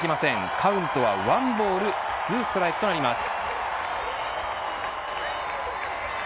カウントは１ボール２ストライクとなります。